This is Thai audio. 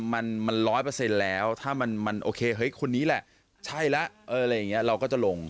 มันร้อยเปอร์เซ็นต์แล้วถ้ามันโอเคเฮ้ยคนนี้แหละใช่แล้วอะไรอย่างนี้เราก็จะลง